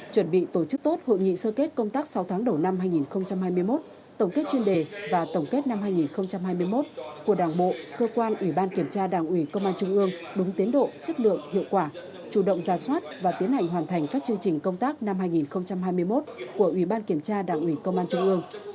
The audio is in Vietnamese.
chuẩn bị tổ chức tốt hội nghị sơ kết công tác sáu tháng đầu năm hai nghìn hai mươi một tổng kết chuyên đề và tổng kết năm hai nghìn hai mươi một của đảng bộ cơ quan ủy ban kiểm tra đảng ủy công an trung ương đúng tiến độ chất lượng hiệu quả chủ động ra soát và tiến hành hoàn thành các chương trình công tác năm hai nghìn hai mươi một của ủy ban kiểm tra đảng ủy công an trung ương